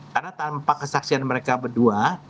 karena tanpa kesaksian mereka berdua